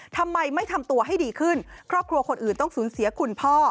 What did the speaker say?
ทำไมไม่ทำตัวให้ดีขึ้นครอบครัวคนอื่นต้องสูญเสียคุณพ่อ